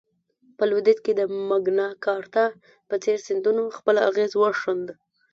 په لوېدیځ کې د مګناکارتا په څېر سندونو خپل اغېز وښند.